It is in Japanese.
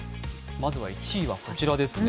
まずは、１位はこちらですね。